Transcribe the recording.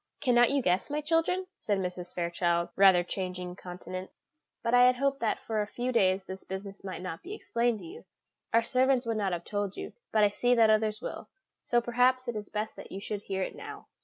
"Cannot you guess, my children?" said Mrs. Fairchild, rather changing countenance; "but I had hoped that for a few days this business might not be explained to you. Our servants would not have told you, but I see that others will, so perhaps it is best that you should hear it now."